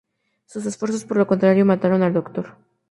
Sus esfuerzos por el contrario mataron al Doctor.